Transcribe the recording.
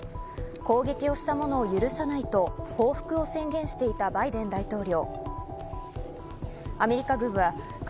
攻撃をした者を許さないと報復を宣言していたバイデン大統領。